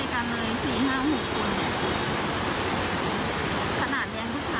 มันช่วยกันเลย๔๕๖คนเนี่ยขนาดแรงผู้ชายนะครับ